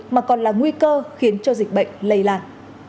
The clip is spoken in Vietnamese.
mà còn là nguy cơ khiến cho dịch bệnh lây lan